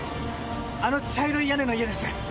あの茶色い屋根の家です。